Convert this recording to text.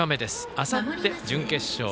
あさって準決勝。